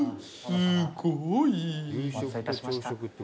すごい！お待たせいたしました。